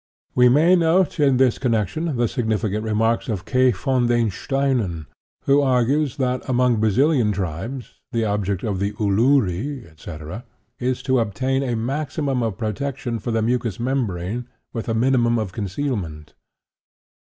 We may note in this connection the significant remarks of K. von den Steinen, who argues that among Brazilian tribes the object of the uluri, etc., is to obtain a maximum of protection for the mucous membrane with a minimum of concealment.